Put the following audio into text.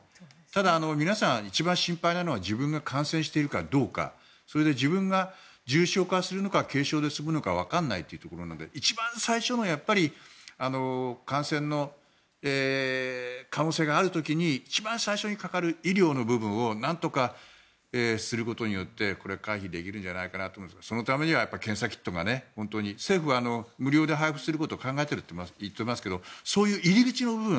ただ皆さん一番心配なのは自分が感染しているかどうかそれで自分が重症化するのか軽症で済むのかわからないというところなので一番最初の感染の可能性がある時に一番最初にかかる医療の部分をなんとかすることによってこれは回避できるんじゃないかなと思いますけれどそのためには検査キットが政府は無料で配布することを考えていると言っていますがそういう入り口の部分